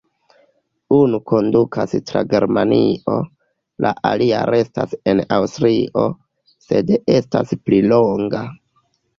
Unu kondukas tra Germanio, la alia restas en Aŭstrio, sed estas pli longa.